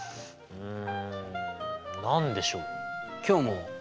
うん。